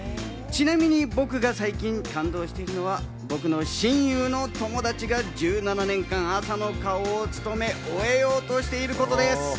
ちなみに僕が最近感動してるのは僕の親友のお友達が１７年間、朝の顔を務め終えようとしていることです。